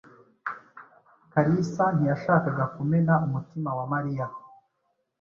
Kalisa ntiyashakaga kumena umutima wa Mariya.